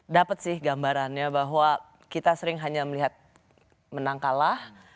dapat sih gambarannya bahwa kita sering hanya melihat menang kalah